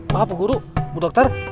maaf guru bu dokter